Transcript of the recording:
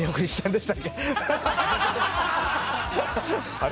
あれ？